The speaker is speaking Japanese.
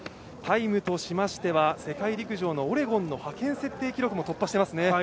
タイムとしましては世界陸上のオレゴンの派遣設定記録も突破していますね。